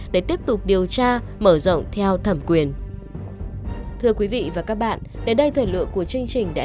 cảnh sát điều tra tội phạm về ma túy công an tp thanh hóa